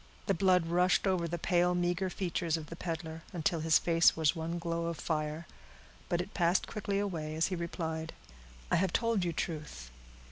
The blood rushed over the pale, meager features of the peddler, until his face was one glow of fire; but it passed quickly away, as he replied,— "I have told you truth.